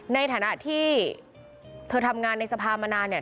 ในฐานะที่เธอทำงานในสภามานานเนี่ย